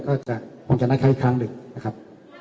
คงจะนัดเขาอีกครั้งหนึ่งนะครับ